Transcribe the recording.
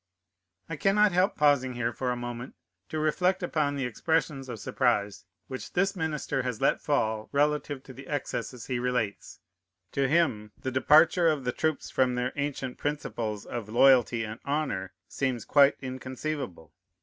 I cannot help pausing here for a moment, to reflect upon the expressions of surprise which this minister has let fall relative to the excesses he relates. To him the departure of the troops from their ancient principles of loyalty and honor seems quite inconceivable.